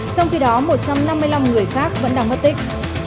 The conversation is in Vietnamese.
trong khi đó một trăm năm mươi năm người khác vẫn đang mất tích